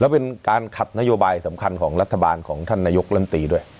แล้วเป็นการขัดนโยบายสำคัญของรัฐบาลของท่านนายกลำตีด้วย